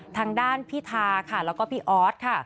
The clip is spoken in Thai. ทางด้านพี่ทาค่ะแล้วก็พี่ออสค่ะ